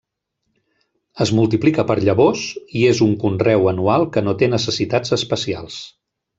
Es multiplica per llavors i és un conreu anual que no té necessitats especials.